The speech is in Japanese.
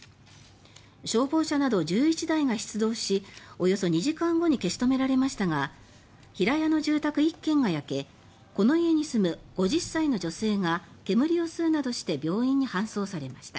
消防車など１１台が出動しおよそ２時間後に消し止められましたが平屋の住宅１軒が焼けこの家に住む５０歳の女性が煙を吸うなどして病院に搬送されました。